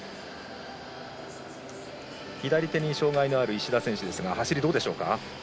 左手に障がいのある石田選手ですが走り、どうでしょうか。